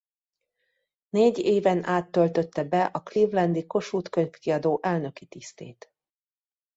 Négy éven át töltötte be a clevelandi Kossuth Könyvkiadó elnöki tisztét.